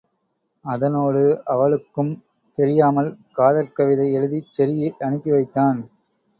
அதனோடு அவளுக்கும் தெரியாமல் காதற் கவிதை எழுதிச் செருகி அனுப்பிவைத்தான்.